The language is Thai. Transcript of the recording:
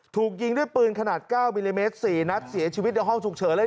ถูกยิงด้วยปืนขนาด๙มิลลิเมตร๔นัดเสียชีวิตในห้องฉุกเฉินเลย